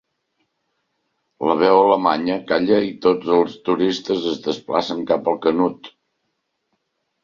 La veu alemanya calla i tots els turistes es desplacen cap al Canut.